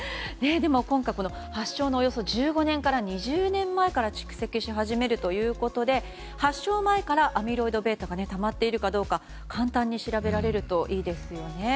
でも、今回発症の１５年から２０年前から蓄積し始めるということで発症前からアミロイドβがたまっているかどうか簡単に調べられるといいですよね。